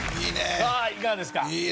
いかがですか？